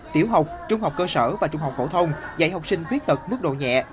tiểu học trung học cơ sở và trung học phổ thông dạy học sinh khuyết tật mức độ nhẹ